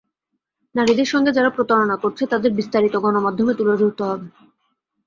নারীদের সঙ্গে যারা প্রতারণা করছে, তাদের বিস্তারিত গণমাধ্যমে তুলে ধরতে হবে।